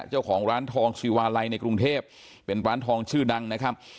เจ้าของร้านทองชีวาลัยในกรุงเทพเป็นร้านทองชื่อดังนะครับ